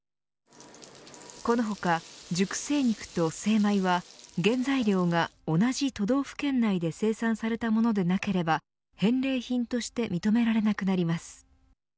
この他、熟成肉と精米は原材料が同じ都道府県内で生産されたものでなければ返礼品として認められなくなります。